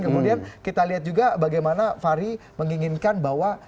kemudian kita lihat juga bagaimana fahri menginginkan bahwa